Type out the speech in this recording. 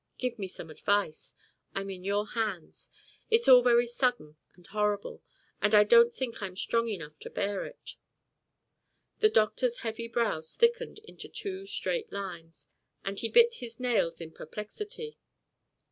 Give me some advice. I'm in your hands. It is all very sudden and horrible, and I don't think I am strong enough to bear it." The doctor's heavy brows thickened into two straight lines, and he bit his nails in perplexity.